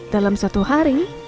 dalam satu hari